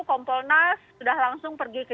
kompolnas sudah langsung pergi ke